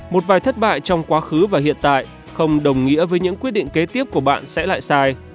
một vài thất bại trong quá khứ và hiện tại không đồng nghĩa với những quyết định kế tiếp của bạn sẽ lại sai